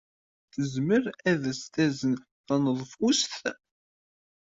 Tezmer ad as-tazen taneḍfust?